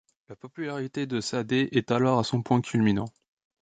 La popularité de Saadé est alors à son point culminant.